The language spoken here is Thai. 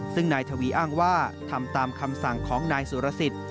ซึ่งนายทวีอ้างว่าทำตามคำสั่งของนายสุรสิทธิ์